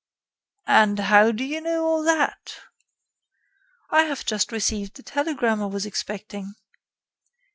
"And how do you know all that?" "I have just received the telegram I was expecting."